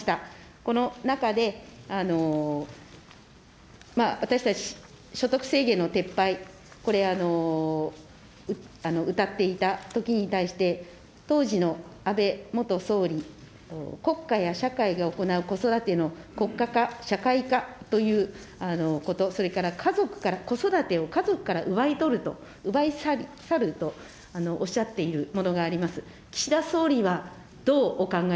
この中で、私たち、所得制限の撤廃、これ、うたっていたときに対して、当時の安倍元総理、国家や社会が行う子育ての国家化、社会化ということ、それから家族から子育てを家族から奪い取ると、奪い去るとおっしゃっているものがあります。